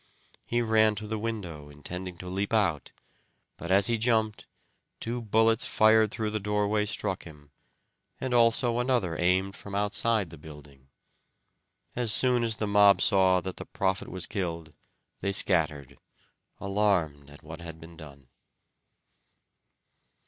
He ran to the window, intending to leap out, but as he jumped two bullets fired through the doorway struck him, and also another aimed from outside the building. As soon as the mob saw that the prophet was killed they scattered, alarmed at what had been done.